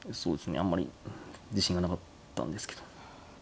あんまり自信がなかったんですけど。